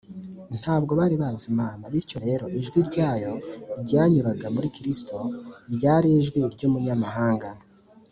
ntabwo bari bazi imana, bityo rero ijwi ryayo ryanyuraga muri kristo ryari ijwi ry’umunyamahanga